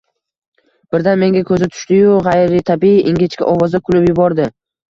Birdan menga ko‘zi tushdi-yu, g‘ayritabiiy, ingichka ovozda kulib yubordi.